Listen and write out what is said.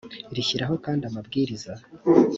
rishyiraho kandi amabwiriza